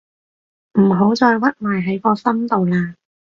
唔好再屈埋喺個心度喇